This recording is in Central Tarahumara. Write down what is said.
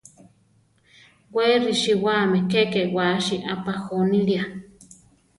We risiwáme keke wási apajónilia.